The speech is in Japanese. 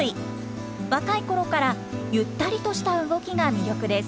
若いころからゆったりとした動きが魅力です。